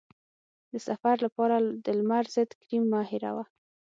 د سفر لپاره د لمر ضد کریم مه هېروه.